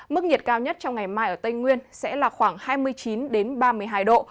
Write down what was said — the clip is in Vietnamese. mức nhiệt cao nhất trong ngày mai ở tây nguyên sẽ là khoảng hai mươi chín ba mươi hai độ